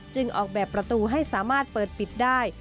ออกแบบประตูให้สามารถเปิดปิดได้